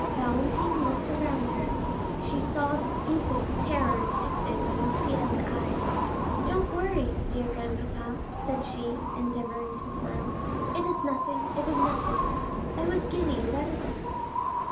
Valentine looked around her; she saw the deepest terror depicted in Noirtier's eyes. "Don't worry, dear grandpapa," said she, endeavoring to smile; "it is nothing—it is nothing; I was giddy, that is all."